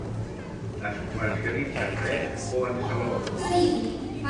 Es comercialitza fresc o en salaó.